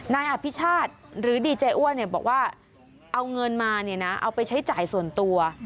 นายอภิชาติหรือดีเจอั้วบอกว่าเอาเงินมาเอาไปใช้จ่ายส่วนตัว